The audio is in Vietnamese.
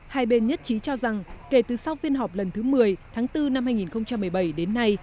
hai bên nhất trí cho rằng kể từ sau phiên họp lần thứ một mươi tháng bốn năm hai nghìn một mươi bảy đến nay